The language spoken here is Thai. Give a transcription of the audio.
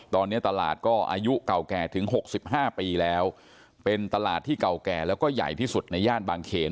ตอนนี้ตลาดก็อายุเก่าแก่ถึง๖๕ปีแล้วเป็นตลาดที่เก่าแก่แล้วก็ใหญ่ที่สุดในย่านบางเขน